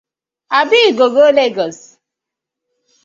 Abi you go go Legos?